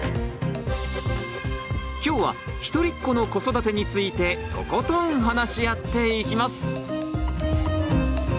今日はひとりっ子の子育てについてとことん話し合っていきます！